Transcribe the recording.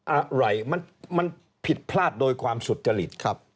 อะไรมันผิดพลาดโดยความสุจริตครับ